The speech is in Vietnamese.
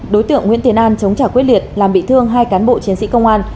đối tượng nguyễn tiến an chống trả quyết liệt làm bị thương hai cán bộ chiến sĩ công an